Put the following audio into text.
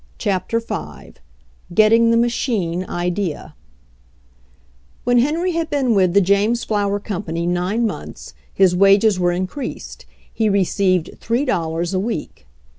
CHAPTER V • GETTING THE MACHINE IDEA When Henry had been with the James Flower Company nine months his wages were increased. He received three dollars a week.